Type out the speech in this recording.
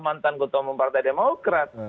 mantan ketua mempartai demokrat